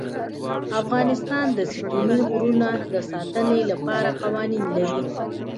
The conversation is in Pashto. افغانستان د ستوني غرونه د ساتنې لپاره قوانین لري.